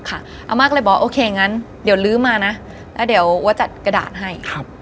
อาม่าก็เลยบอกโอเคงั้นเดี๋ยวลื้อมานะแล้วเดี๋ยวว่าจัดกระดาษให้